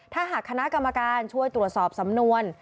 ถ้าหากคณะกรรมการช่วยตรวจสอบสำนวน